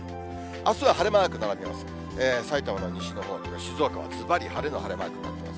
あすは晴れマークになります。